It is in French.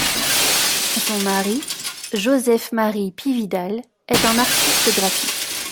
Son mari, Joseph-Marie Pividal est un artiste graphique.